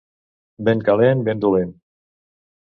Vent calent, vent dolent.